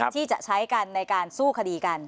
ที่จะใช้กันในการสู้คดีกัน